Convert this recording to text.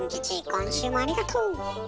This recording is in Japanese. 今週もありがとう！